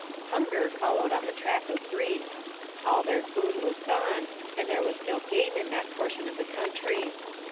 Hunger followed on the track of grief; all their food was gone, and there was no game in that portion of the country.